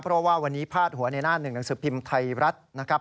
เพราะว่าวันนี้พาดหัวในหน้าหนึ่งหนังสือพิมพ์ไทยรัฐนะครับ